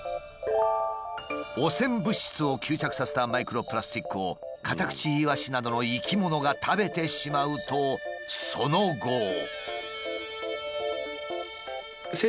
汚染物質を吸着させたマイクロプラスチックをカタクチイワシなどの生き物が食べてしまうとその後。